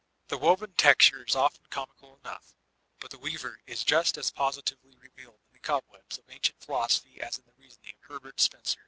The woven texture is often comical enough, but the weaver is just as positively revealed in the cobwebs of ancient philosophy as in the reasoning of Her bert Spencer.